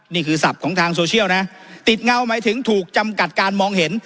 ศัพท์ของทางโซเชียลนะติดเงาหมายถึงถูกจำกัดการมองเห็น